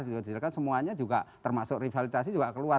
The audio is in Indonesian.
izin juga dijalankan semuanya juga termasuk rivalitasi juga keluar